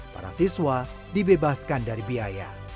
para siswa dibebaskan dari biaya